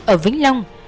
ở vĩnh long